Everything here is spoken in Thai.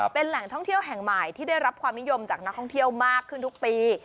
เป็นแหล่งท่องเที่ยวแห่งใหม่ที่ได้รับความนิยมจากนักท่องเที่ยวมากขึ้นทุกปี